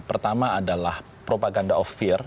pertama adalah propaganda of fear